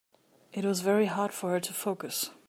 It was very hard for her to focus.